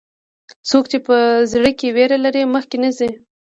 څوک چې په زړه کې ویره لري، مخکې نه ځي.